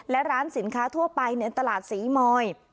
และร้านสินค้าทั่วไปในตลาดศรีมอย